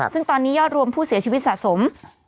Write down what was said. ซึ่งตอนนี้ยอดรวมผู้เสียชีวิตสะสม